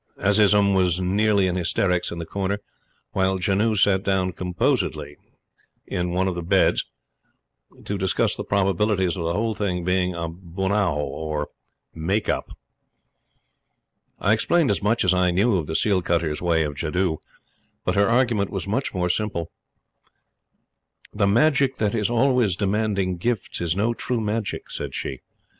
Azizun was nearly in hysterics in the corner; while Janoo sat down composedly on one of the beds to discuss the probabilities of the whole thing being a bunao, or "make up." I explained as much as I knew of the seal cutter's way of jadoo; but her argument was much more simple: "The magic that is always demanding gifts is no true magic," said she.